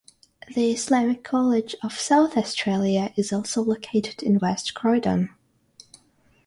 The Islamic College of South Australia is also located in West Croydon.